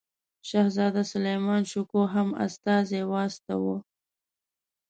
شهزاده سلیمان شکوه هم استازی واستاوه.